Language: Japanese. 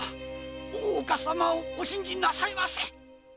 大岡様をお信じなさいませ。